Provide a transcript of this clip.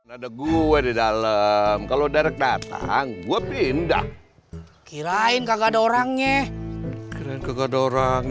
ada gua di dalam kalau derek datang gue pindah kirain kagak ada orangnya kagak ada orang